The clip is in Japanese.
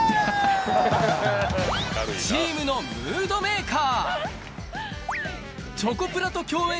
チームのムードメーカー。